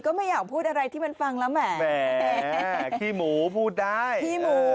ไม่อยากพูดอะไรที่มันฟังแล้วแหมขี้หมูพูดได้ขี้หมู